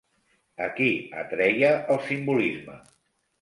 A qui atreia el simbolisme?